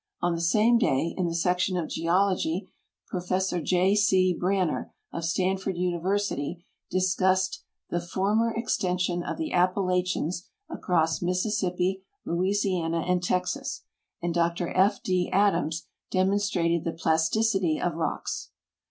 On the same day, in the Section of Geology, Prof. J. C. Branner, of Stanford Universit}^ discussed The Former Extension of the Appalachians across Mississippi, Louisiana, and Texas, and Dr F. D. Adams demonstrated the plasticity of rocks.